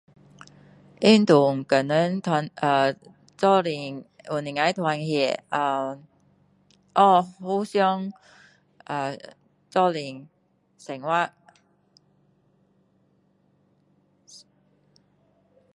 运动跟人一起呃能够团结哦互相呃一起生活